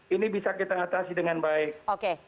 ini bisa kita atasi dengan baik